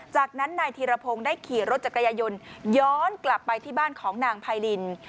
จากนั้นนายธีรพงศ์ได้ขี่รถจักรยายนย้อนกลับไปที่บ้านของนางไพริน